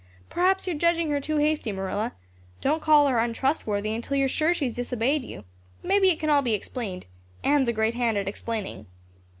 "Perhaps you're judging her too hasty, Marilla. Don't call her untrustworthy until you're sure she has disobeyed you. Mebbe it can all be explained Anne's a great hand at explaining."